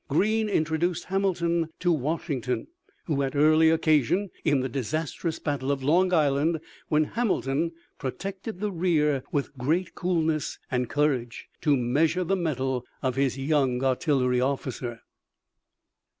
Greene introduced Hamilton to Washington, who had early occasion, in the disastrous battle of Long Island, when Hamilton protected the rear with great coolness and courage, to measure the mettle of his young artillery officer.